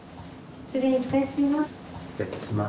失礼いたします。